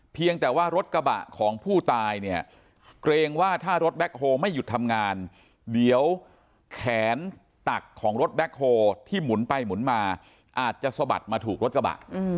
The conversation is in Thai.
เพียงแต่ว่ารถกระบะของผู้ตายเนี่ยเกรงว่าถ้ารถแบ็คโฮไม่หยุดทำงานเดี๋ยวแขนตักของรถแบ็คโฮที่หมุนไปหมุนมาอาจจะสะบัดมาถูกรถกระบะ